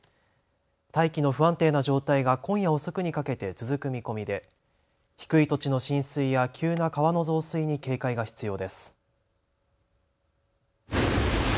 大気の不安定な状態が今夜遅くにかけて続く見込みで低い土地の浸水や急な川の増水に警戒が必要です。